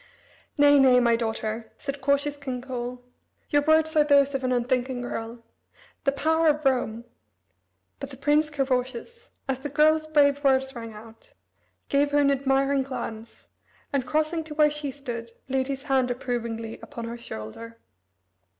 "Nay, nay, my daughter," said cautious King Coel, "your words are those of an unthinking girl. The power of Rome " But the Prince Carausius, as the girl's brave words rang out, gave her an admiring glance, and, crossing to where she stood, laid his hand approvingly upon her shoulder.